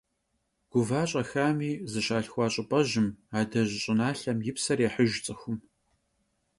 Гува-щӏэхами, зыщалъхуа щӏыпӏэжьым, адэжь щӏыналъэм и псэр ехьыж цӏыхум.